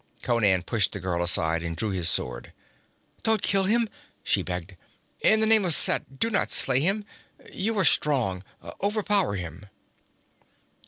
Conan pushed the girl aside and drew his sword. 'Don't kill him!' she begged. 'In the name of Set, do not slay him! You are strong overpower him!'